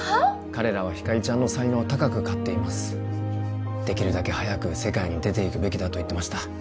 彼らはひかりちゃんの才能を高く買っていますできるだけ早く世界に出ていくべきだと言ってました